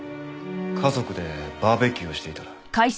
家族でバーベキューをしていたら。